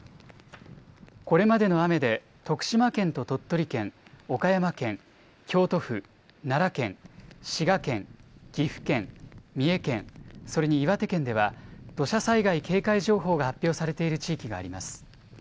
これまでの雨で徳島県と鳥取県、岡山県、京都府、奈良県、滋賀県、岐阜県、三重県、それに岩手県では、土砂災害警戒情報が発表されている地域があります。